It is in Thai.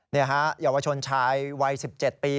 ในรักษาอยว่าชนชายวัย๑๗ปี